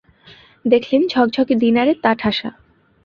দেখলেন, ঝকঝকে দীনারে তা ঠাসা।